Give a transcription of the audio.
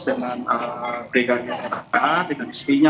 dengan brigadir ra dan istrinya